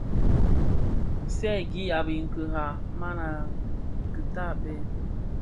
Sèghi a biňkira, mana kitabè.